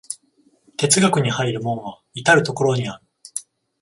哲学に入る門は到る処にある。